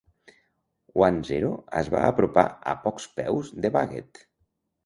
One Zero es va apropar a pocs peus de Baggett.